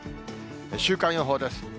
週間予報です。